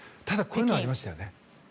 ただ、こういうのありましたよね。